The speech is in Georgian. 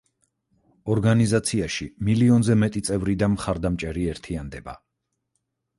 ორგანიზაციაში მილიონზე მეტი წევრი და მხარდამჭერი ერთიანდება.